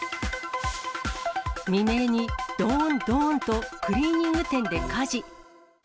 未明にどーん、どーんと、クリーニング店で火事。